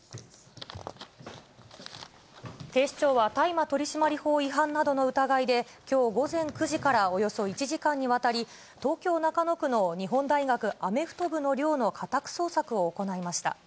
警視庁は大麻取締法違反などの疑いで、きょう午前９時からおよそ１時間にわたり、東京・中野区の日本大学アメフト部の寮の家宅捜索を行いました。